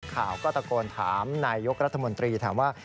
ข่าวก็ตะโกนถามนายยกรัฐมนตรีถามว่า